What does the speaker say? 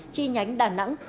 chi nhánh đà nẵng